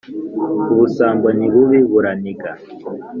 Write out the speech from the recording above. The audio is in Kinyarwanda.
Ubusambo ni bubi bura niga